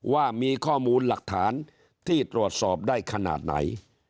ว่ามีข้อมูลหลักฐานที่ตรวจสอบได้ขนาดไหน